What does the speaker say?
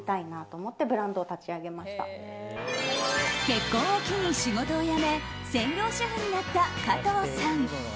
結婚を機に仕事を辞め専業主婦になった加藤さん。